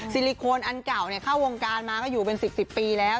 ซิลิโคนอันเก่าเข้าวงการมาก็อยู่เป็น๑๐ปีแล้ว